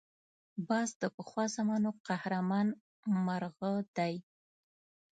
باز د پخوا زمانو قهرمان مرغه دی